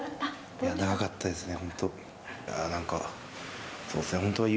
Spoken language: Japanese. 長かったですか？